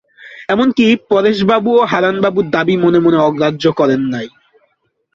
এমন-কি, পরেশবাবুও হারানবাবুর দাবি মনে মনে অগ্রাহ্য করেন নাই।